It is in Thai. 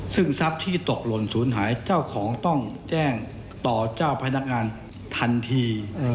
ซึ่งทรัพย์ที่ตกหล่นศูนย์หายเจ้าของต้องแจ้งต่อเจ้าพนักงานทันที